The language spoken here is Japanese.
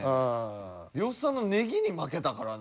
呂布さんのネギに負けたからな。